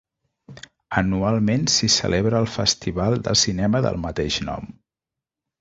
Anualment s'hi celebra el festival de cinema del mateix nom.